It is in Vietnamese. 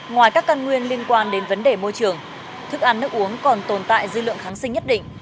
ngoài các căn nguyên liên quan đến vấn đề môi trường thức ăn nước uống còn tồn tại dư lượng kháng sinh nhất định